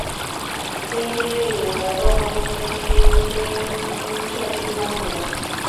新兴里活动中心新兴社区公园